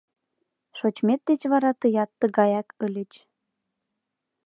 Шочмет деч вара тыят тыгаяк ыльыч.